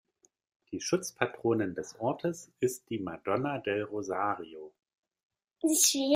Die Schutzpatronin des Ortes ist die "Madonna del Rosario".